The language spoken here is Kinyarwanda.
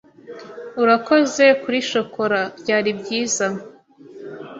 Urakoze kuri shokora. Byari byiza.